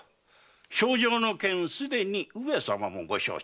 評定の件すでに上様もご承知。